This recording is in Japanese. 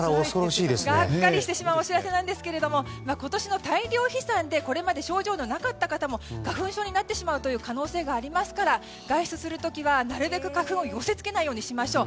ガッカリしてしまうお知らせですが今年の大量飛散でこれまで症状のなかった方も花粉症になってしまう可能性がありますから外出する時はなるべく花粉を寄せ付けないようにしましょう。